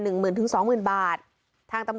๑หมื่นถึง๒หมื่นบาท